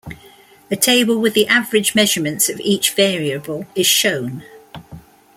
A table with the average measurements of each variable is shown.